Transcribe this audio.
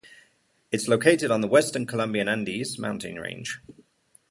It is located on the western Colombian Andes mountain range.